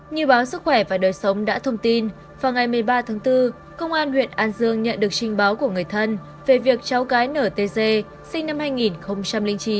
như báo sức khỏe và đời sống đã thông tin vào ngày một mươi ba tháng bốn công an huyện an dương nhận được trình báo của người thân về việc cháu gái ntg sinh năm hai nghìn chín